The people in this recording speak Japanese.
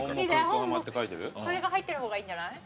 これが入ってる方がいいんじゃない？